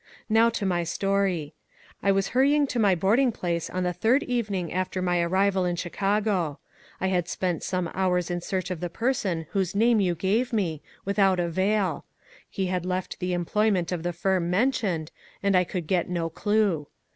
Now to my story. I was hurrying to my boarding place on the third evening after my arrival in Chicago. I had spent some hours in search of the person whose name you gave me, without avail. He had left the employment of the firm mentioned, and I could get no clue.